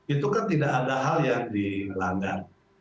itu kan tidak ada hal yang dilanggar